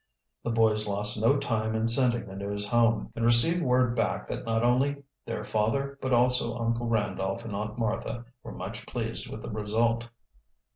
The boys lost no time in sending the news home, and received word back that not only their father, but also Uncle Randolph and Aunt Martha, were much pleased with the result.